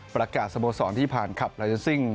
ประกาศสโมสรที่ผ่านคลับเลเซ็นซิ่ง